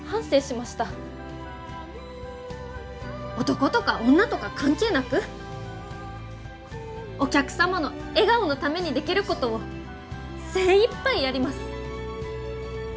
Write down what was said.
男とか女とか関係なくお客様の笑顔のためにできることを精いっぱいやります！